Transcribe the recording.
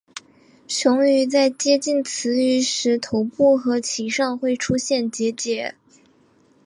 雄鱼在接近雌鱼时头部和鳍上会出现结节。